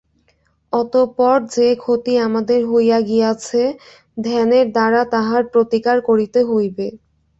অতঃপর যে ক্ষতি আমাদের হইয়া গিয়াছে, ধ্যানের দ্বারা তাহার প্রতিকার করিতে হইবে।